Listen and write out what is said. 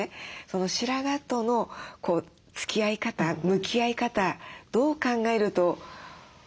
白髪とのつきあい方向き合い方どう考えるとよろしいでしょうか？